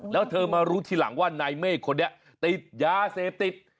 แล้วเธอมารู้ทีหลังว่านายเมฆคนนี้ติดยาเสพติด